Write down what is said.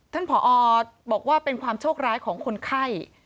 ผอบอกว่าเป็นความโชคร้ายของคนไข้